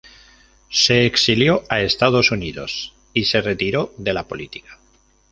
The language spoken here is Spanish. Se exilió a Estados Unidos y se retiró de la política.